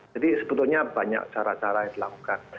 jadi sebetulnya banyak cara cara yang dilakukan